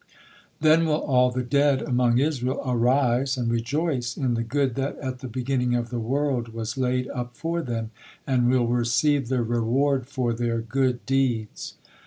Then will all the dead among Israel arise and rejoice in the good that at the beginning of the world was laid up for them, and will receive the reward for their good deeds."